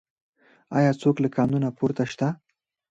آیا څوک له قانون پورته شته؟